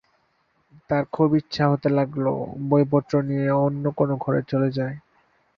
তার খুব ইচ্ছা হতে লাগল, বইপত্র নিয়ে অন্য কোনো ঘরে চলে যায়।